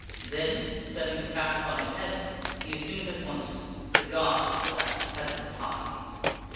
Then, setting the cup upon his head, he assumed at once the guise of that peasant hind.